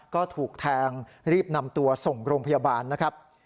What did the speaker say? ก็ถูกแทงรีบนำตัวส่งโรงพยาบาลนะครับ